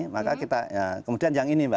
maka kita ya kemudian yang ini mbak